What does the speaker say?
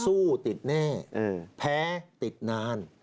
สู้ติดแน่แพ้ติดนาน